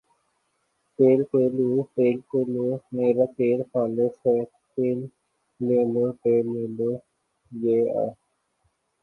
تیل لے لو ، تیل لے لو میرا تیل خالص ھے تیل لے لو تیل لے لو یہ آ